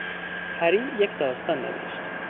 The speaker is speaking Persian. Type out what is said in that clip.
پری یک داستان نوشت.